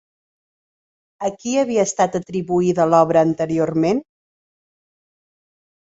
A qui havia estat atribuïda l'obra anteriorment?